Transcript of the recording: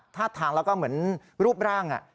ท่าทางแล้วก็เหมือนรูปร่าง